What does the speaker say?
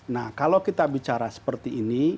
nah kalau kita bicara seperti ini